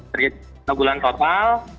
terjadi gerhana bulan total